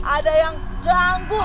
ada yang ganggu